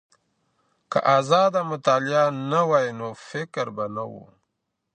که ازاده مطالعه نه وای نو فکر به نه و.